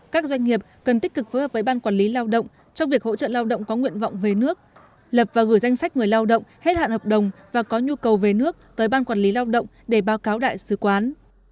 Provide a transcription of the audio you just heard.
các doanh nghiệp cần tích cực phối hợp với ban quản lý lao động trong việc hỗ trợ lao động có nguyện vọng về nước lập và gửi danh sách người lao động hết hạn hợp đồng và có nhu cầu về nước tới ban quản lý lao động để báo cáo đại sứ quán